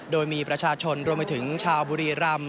โดยมีประชาชนรวมไปถึงชาวบุรีรำ